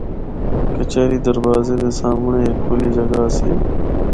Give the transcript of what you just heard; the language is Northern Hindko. کچہری دروازے دے سامنڑیں ہک کھلی جگہ آسی۔